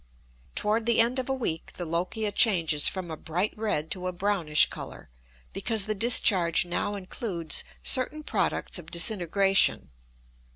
Toward the end of a week the lochia changes from a bright red to a brownish color, because the discharge now includes certain products of disintegration.